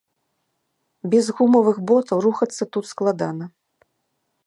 Без гумавых ботаў рухацца тут складана.